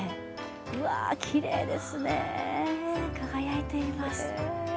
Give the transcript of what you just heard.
きれいですね、輝いていています。